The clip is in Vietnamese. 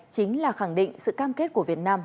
chính là khẳng định sự cam kết của việt nam